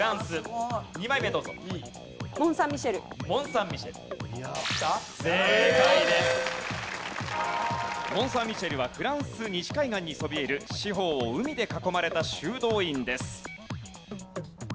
モン・サン・ミシェルはフランス西海岸にそびえる四方を海で囲まれた修道院です。